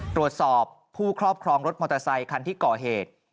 ตรวจสอบผู้ครอบครองรถมอเตอร์ไซคันที่ก่อเหตุ